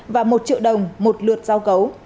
và một triệu đồng một lượt giao cấu